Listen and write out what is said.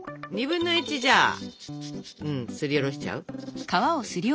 ２分の１じゃあすりおろしちゃう？